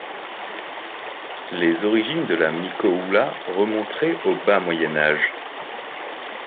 Les origines de la Micóoula remonteraient au bas Moyen Âge.